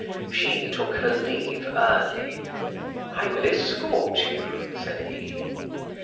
She took her leave early. "I will escort you," said he.